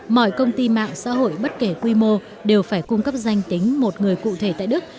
mọi công ty mạng xã hội bất kể quy mô đều phải cung cấp danh tính một người cụ thể tại đức